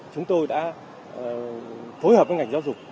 chúng tôi đã phối hợp với ngành giáo dục